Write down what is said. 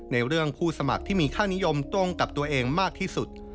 ในเรื่องผู้สมัครที่มีค่านิยมตรงกับตัวเองมากที่สุด